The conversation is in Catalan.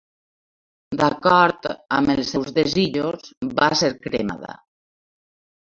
D'acord amb els seus desitjos va ser cremada.